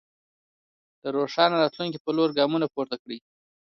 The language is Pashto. د روښانه راتلونکي په لور ګامونه پورته کړئ.